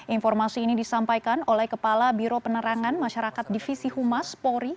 informasi ini disampaikan oleh kepala biro penerangan masyarakat divisi humas polri